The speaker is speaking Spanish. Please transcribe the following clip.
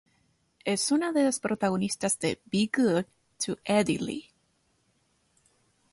Es una de las protagonistas de "Bee good to Eddie Lee".